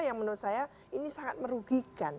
yang menurut saya ini sangat merugikan